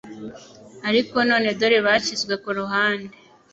Ariko none dore bashyizwe ku ruhande.